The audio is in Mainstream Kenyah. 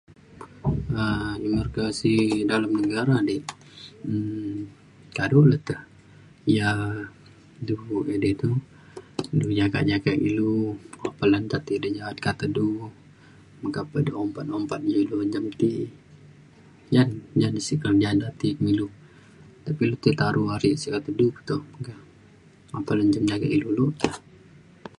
um [unintelligible] dalem negara di um kado le te yak du edei le tu du jagak jagak ilu okak le pe te jaga di kata du meka pe de ompat ompat ilu njam ti. ja ja na sek ti kerja da ti me ilu. tapi lu tai taro ale sio te du pa meka. okak ilu njam jagak du.